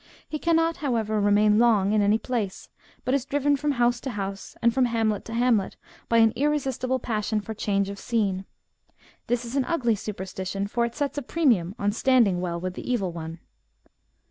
He cannot, however, remain long in any place, but is driven from house to house, and from hamlet to hamlet, by an irresistible passion for change of scene. This is an ugly superstition, for it sets a premium on standing well with the evil one.